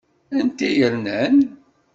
Anta i yernan?